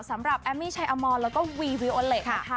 สำหรับแอมมี้ชัยอมอลและก็วีวิโอเล็ตค่ะ